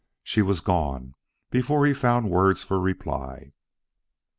She was gone before he found words for reply.